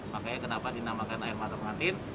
makanya kenapa dinamakan air mata pengantin